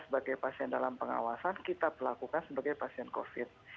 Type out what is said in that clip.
sebagai pasien dalam pengawasan kita pelakukan sebagai pasien covid